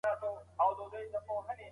عزت به په خبرو کي وساتل سي.